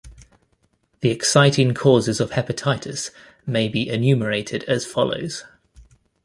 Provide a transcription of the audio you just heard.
The exciting causes of hepatitis may be enumerated as follows.